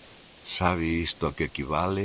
¿Sabe isto a que equivale?